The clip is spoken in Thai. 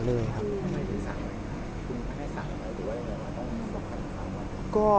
คุณได้๓วันหรือว่าอย่างไรวะ